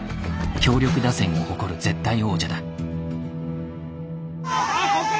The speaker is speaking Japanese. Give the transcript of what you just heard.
強力打線を誇る絶対王者だ。